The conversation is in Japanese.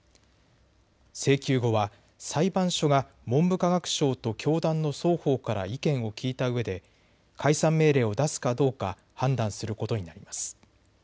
請求後は裁判所が文部科学省と教団の双方から意見を聴いたうえで解散命令を出すかどうか判断することになります。